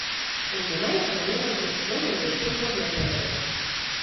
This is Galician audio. Ende máis o galego evolucionou dende os tempos de Otero.